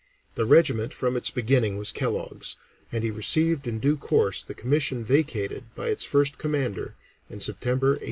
The regiment from its beginning was Kellogg's, and he received in due course the commission vacated by its first commander in September, 1863.